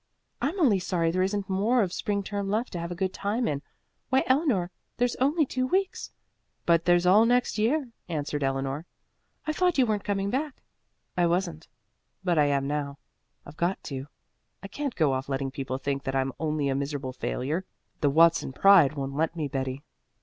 "I'm only sorry there isn't more of spring term left to have a good time in. Why, Eleanor, there's only two weeks." "But there's all next year," answered Eleanor. "I thought you weren't coming back." "I wasn't, but I am now. I've got to I can't go off letting people think that I'm only a miserable failure. The Watson pride won't let me, Betty."